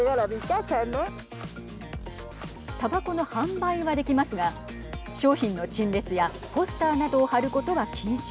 たばこの販売はできますが商品の陳列やポスターなどを貼ることは禁止。